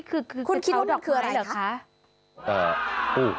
คุณคิดว่ามันคืออะไรเหรอคะ